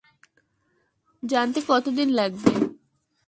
জানতে কতদিন লাগবে?